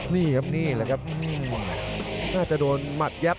นี่ครับนี่แหละครับน่าจะโดนหมัดยับ